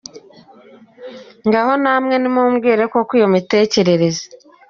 Ngaho namwe nimubwire koko iyo mitekerereze.